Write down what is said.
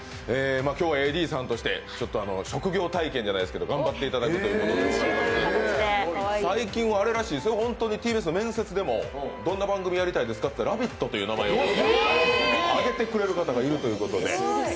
今日はＡＤさんとして職業体験じゃないですけどやっていただくということで最近はＴＢＳの面接でもどんな番組やりたいですか？と聞いたら「ラヴィット！」という名前を挙げてくれる方がいるみたいで。